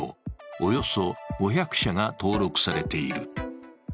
およそ５００社が登録されている。